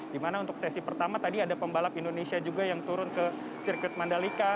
dimana untuk sesi pertama tadi ada pembalap indonesia juga yang turun ke sirkuit mandalika